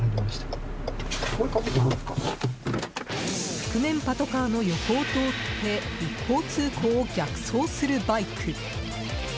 覆面パトカーの横を通って一方通行を逆走するバイク。